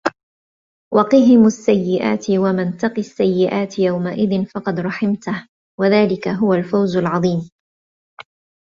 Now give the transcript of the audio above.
وَقِهِمُ السَّيِّئَاتِ وَمَن تَقِ السَّيِّئَاتِ يَومَئِذٍ فَقَد رَحِمتَهُ وَذلِكَ هُوَ الفَوزُ العَظيمُ